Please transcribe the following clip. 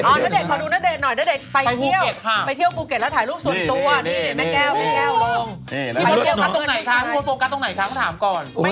ไปเที่ยวเมืองบูเกตถ่ายรูปส่วนตัว